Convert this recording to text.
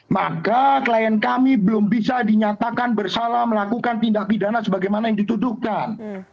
maka klien kami belum bisa dinyatakan bersalah melakukan tindak pidana sebagaimana yang dituduhkan